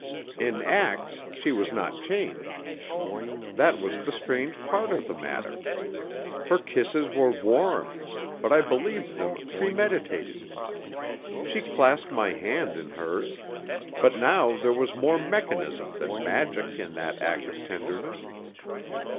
In acts she was not changed. That was the strange part of the matter. Her kisses were warm, but I believed them premeditated. She clasped my hand in hers, but now there was more mechanism than magic in that act of tenderness.